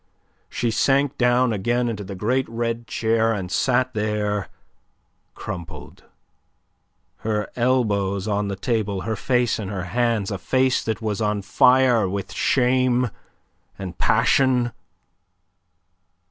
She sank down again into the great red chair, and sat there crumpled, her elbows on the table, her face in her hands a face that was on fire with shame and passion.